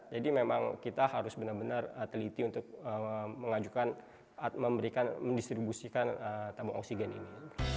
jadi memang kita harus benar benar teliti untuk mengajukan memberikan mendistribusikan tabung oksigen ini